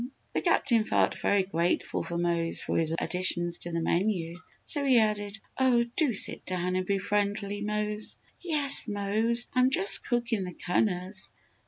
The Captain felt very grateful for Mose for his additions to the menu, so he added, "Oh, do sit down and be friendly, Mose." "Yes, Mose, I'm just cookin' the cunners!